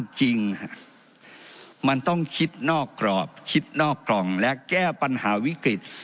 จริงมันต้องคิดนอกกรอบคิดนอกกล่องและแก้ปัญหาวิกฤต